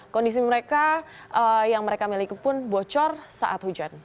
kondisi mereka yang mereka miliki pun bocor saat hujan